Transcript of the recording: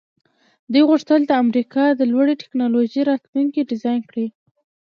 دوی غوښتل د امریکا د لوړې ټیکنالوژۍ راتلونکی ډیزاین کړي